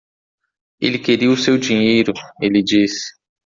"Ele queria o seu dinheiro?" ele disse.